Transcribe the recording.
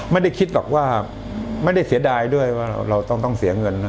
ไม่ได้คิดหรอกว่าไม่ได้เสียดายด้วยว่าเราต้องเสียเงินนะ